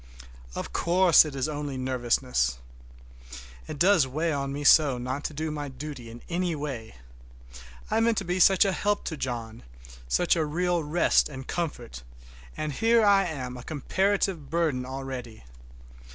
Of course it is only nervousness. It does weigh on me so not to do my duty in any way! I meant to be such a help to John, such a real rest and comfort, and here I am a comparative burden already!